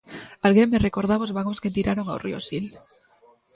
Alguén me recordaba os vagóns que tiraron ao río Sil.